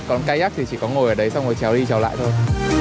còn kayak thì chỉ có ngồi ở đấy xong rồi chèo đi chèo lại thôi